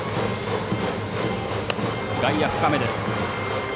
外野深めです。